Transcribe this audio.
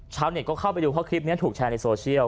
ชาวเน็ตก็เข้าไปดูเพราะคลิปนี้ถูกแชร์ในโซเชียล